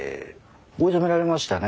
追い詰められましたね